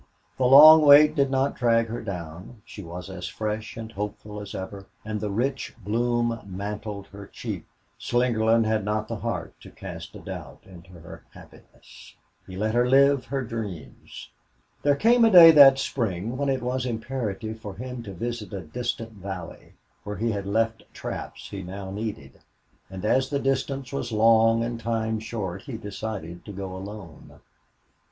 The long wait did not drag her down; she was as fresh and hopeful as ever and the rich bloom mantled her cheek. Slingerland had not the heart to cast a doubt into her happiness. He let her live her dreams. There came a day that spring when it was imperative for him to visit a distant valley, where he had left traps he now needed, and as the distance was long and time short he decided to go alone.